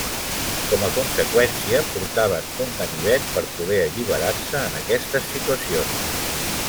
Com a conseqüència portaven un ganivet per poder alliberar-se en aquestes situacions.